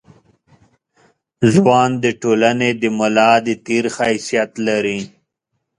ځوان د ټولنې د ملا د تیر حیثیت لري.